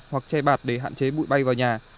hoặc che bạt để hạn chế bụi bay vào nhà